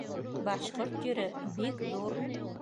Башҡорт ере бик ҙур.